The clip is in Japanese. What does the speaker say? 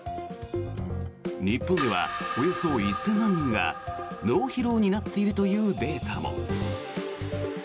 日本ではおよそ１０００万人が脳疲労になっているというデータも。